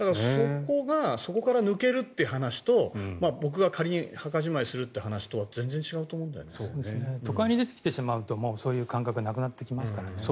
そこから抜けるという話と僕が仮に墓じまいする話とは都会に出てきてしまうとそういう感覚がなくなりますからね。